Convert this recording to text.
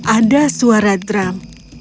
ada suara drum